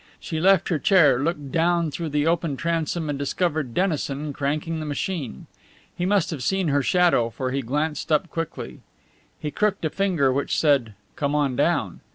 She left her chair, looked down through the open transom and discovered Dennison cranking the machine. He must have seen her shadow, for he glanced up quickly. He crooked a finger which said, "Come on down!"